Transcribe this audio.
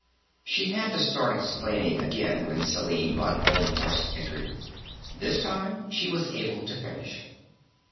She had to start explaining again when Selim von Ohlmhorst entered. This time, she was able to finish.